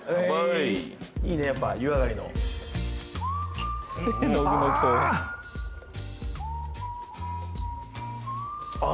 いいねやっぱ湯上がりのああ！